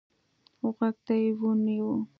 غوږ ته يې ونيو.